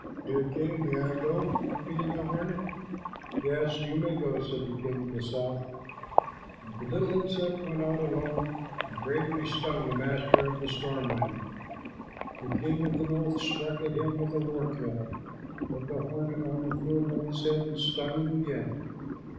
"Dear king, may I go?" repeated the hornet. "Yes, you may go," said the king of the south, and the little insect went out alone, and bravely stung the master of the storm wind. The king of the north struck at him with a war club, but the hornet only flew above his head and stung him again.